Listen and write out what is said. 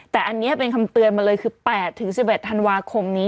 แต่อันนี้เป็นคำเตือนมาเลยคือ๘๑๑ธันวาคมนี้